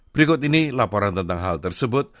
berikut ini laporan tentang hal tersebut